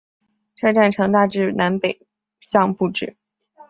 车站呈大致南北向布置。